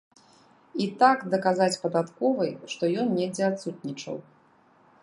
І так даказаць падатковай, што ён недзе адсутнічаў.